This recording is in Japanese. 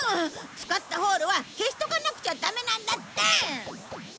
使ったホールは消しとかなくちゃダメなんだって！